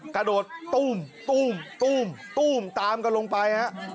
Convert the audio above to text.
กระโดดตุ้มตุ้มตุ้มตุ้มตามกันลงไปนะครับ